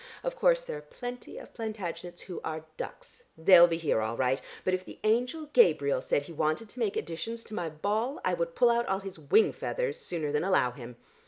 Of course there are plenty of Plantagenets who are ducks; they'll be here all right, but if the angel Gabriel said he wanted to make additions to my ball, I would pull out all his wing feathers sooner than allow him.